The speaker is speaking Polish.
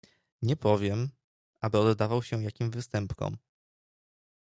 "Nie powiem, aby oddawał się jakim występkom."